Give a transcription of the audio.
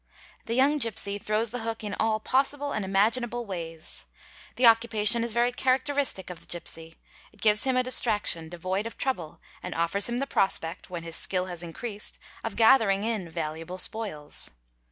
'The young gipsy throws the hook in all possible and imaginable ways. 'The occupation is very characteristic of the gipsy: it gives him a distraction devoid of trouble and offers him the prospect, when his skill has increased, of gathering in valuable spoils.